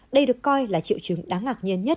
đây được coi là triệu chứng đáng ngạc nhiên nhất